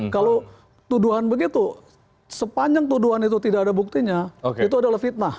kalau tuduhan begitu sepanjang tuduhan itu tidak ada buktinya itu adalah fitnah